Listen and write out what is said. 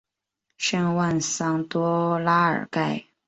圣万桑多拉尔盖。